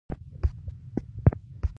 ښه انسان هغه نه دی چې خطا نه کوي.